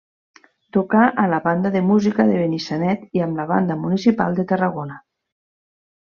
Tocà a la Banda de Música de Benissanet i amb la Banda Municipal de Tarragona.